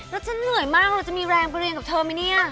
แล้วฉันเหนื่อยมากเราจะมีแรงไปเรียนกับเธอไหมเนี่ย